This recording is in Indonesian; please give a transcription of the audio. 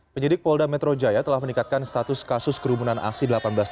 penyidik polda metro jaya telah meningkatkan status kasus kerumunan aksi seribu delapan ratus dua puluh